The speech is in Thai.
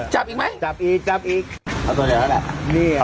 จับอีกไหมจับอีกนะ